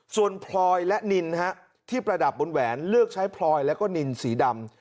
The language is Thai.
ส่วนพลอยและนินที่ประดับบนแหวนเลือกใช้พลอยแล้วก็นินสีดำ